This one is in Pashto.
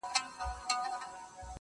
• زه مي هغسي ښاغلی بیرغ غواړم -